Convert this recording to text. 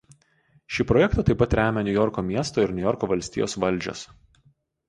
Šį projektą taip pat remia Niujorko miesto ir Niujorko valstijos valdžios.